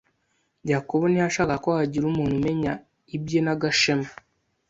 Yakobo ntiyashakaga ko hagira umuntu umenya ibye na Gashema.